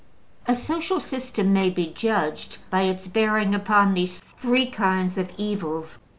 '' A social system may be judged by its bearing upon these three kinds of evils.